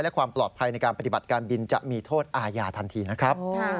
และความปลอดภัยในการปฏิบัติการบินจะมีโทษอาญาทันทีนะครับ